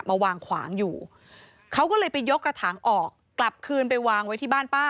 มาวางขวางอยู่เขาก็เลยไปยกกระถางออกกลับคืนไปวางไว้ที่บ้านป้า